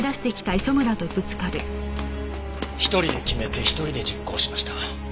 １人で決めて１人で実行しました。